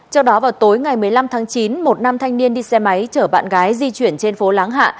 trước đó vào tối ngày một mươi năm tháng chín một nam thanh niên đi xe máy chở bạn gái di chuyển trên phố láng hạ